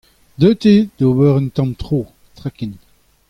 Deuet eo d'ober un tamm tro traken.